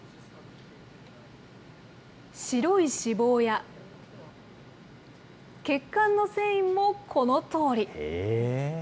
白い脂肪や血管の繊維もこのとおり。